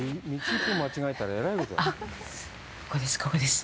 あっ、ここです、ここです。